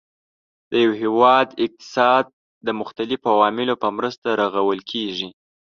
د یو هیواد اقتصاد د مختلفو عواملو په مرسته رغول کیږي.